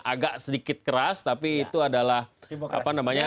agak sedikit keras tapi itu adalah apa namanya